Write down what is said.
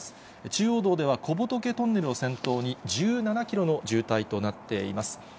中央道では小仏トンネルを先頭に、１７キロの渋滞となっています。